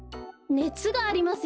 ねつがありますよ。